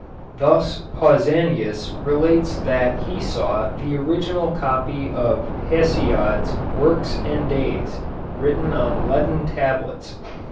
Thus Pausanius relates that he saw the original copy of Hesiod's Works and Days written on leaden tablets.